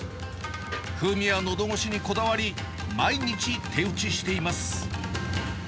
風味やのどごしにこだわり、毎日手打ちしています。